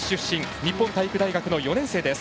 日本体育大学の４年生です。